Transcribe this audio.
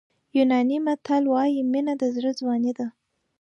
یوناني متل وایي مینه د زړه ځواني ده.